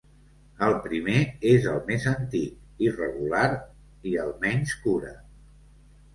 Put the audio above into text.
El primer és el més antic, irregular i el menys cura.